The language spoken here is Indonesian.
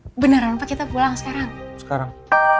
hai beneran kita pulang sekarang sekarang